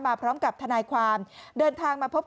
พร้อมกับทนายความเดินทางมาพบ